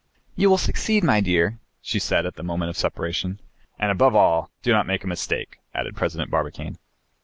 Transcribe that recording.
"You will succeed, my dear," said she at the moment of separation. "And above all do not make a mistake," added President Barbicane.